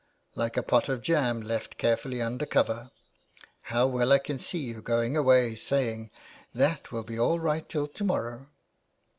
" Like a pot of jam left carefully under cover. How well I can see you going away saying :' that will be all right till to morrow.'